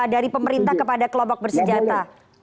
dari pemerintah kepada kelompok bersenjata